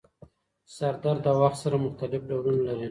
سردرد د وخت سره مختلف ډولونه لري.